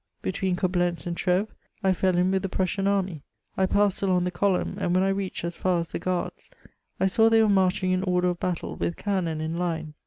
Between Coblentz and Treves, I fell in with the Prussian army. I passed along the column, and when 1 reached as far as tne guards, I saw they were marching in order of battle, with cannon in line.